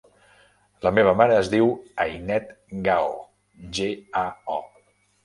La meva mare es diu Ainet Gao: ge, a, o.